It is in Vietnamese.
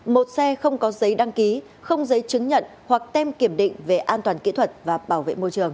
một xe không có giấy đăng ký không giấy chứng nhận hoặc tem kiểm định về an toàn kỹ thuật và bảo vệ môi trường